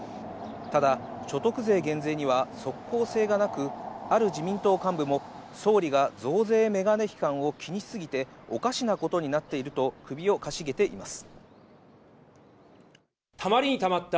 ただ、所得税減税には即効性がなく、ある自民党幹部も総理が増税メガネ批判を気にしすぎておかしなことになっていると首をかしげています。